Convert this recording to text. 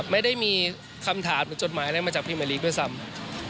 ไม่ได้มีคำถามหรือจดหมายอะไรมาจากพี่มะลิกด้วยซ้ำ